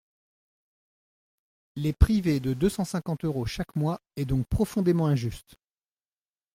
Les priver de deux cent cinquante euros chaque mois est donc profondément injuste.